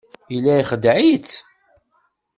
Yella ixeddeɛ-itt.